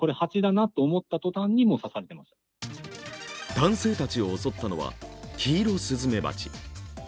男性たちを襲ったのはキイロスズメバチ。